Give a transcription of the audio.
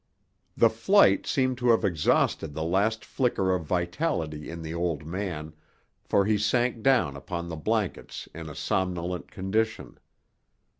The flight seemed to have exhausted the last flicker of vitality in the old man, for he sank down upon the blankets in a somnolent condition.